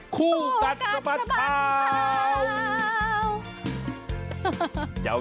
คู่กัดสะบัดข่าว